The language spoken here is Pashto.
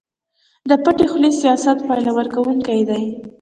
د پټې خولې سياست پايله ورکوونکی دی.